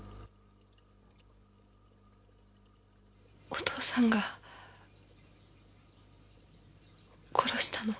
お父さんが殺したの？